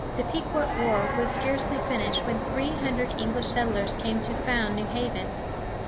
The Pequot war was scarcely finished when three hundred English settlers came to found New Haven.